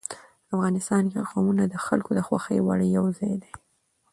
افغانستان کې قومونه د خلکو د خوښې وړ یو ځای دی.